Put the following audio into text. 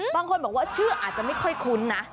บางคนบอกว่าชื่ออาจจะไม่ค่อยคุ้นนะ